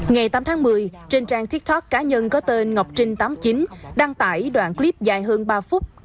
ngày tám tháng một mươi trên trang tiktok cá nhân có tên ngọc trinh tám mươi chín đăng tải đoạn clip dài hơn ba phút